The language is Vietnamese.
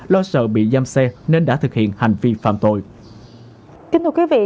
lo sợ bị giam xe nên đã thực hiện hành vi phạm tội